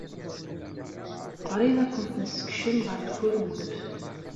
Qrib ad kent-nessekcem ɣer tkurmut.